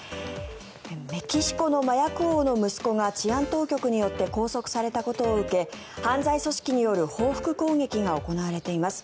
メキシコの麻薬王の息子が治安当局によって拘束されたことを受け犯罪組織による報復攻撃が行われています。